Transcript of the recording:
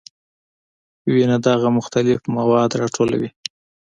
وینه دغه مختلف مواد راټولوي.